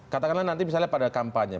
katakanlah nanti misalnya pada kampanye